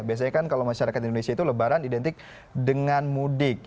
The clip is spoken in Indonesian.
biasanya kan kalau masyarakat indonesia itu lebaran identik dengan mudik